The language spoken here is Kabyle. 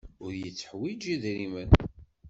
Ur yetteḥwiji idrimen.